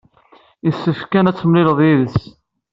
Yessefk kan ad temlileḍ yid-s.